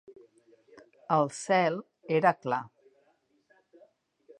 El cel era clar.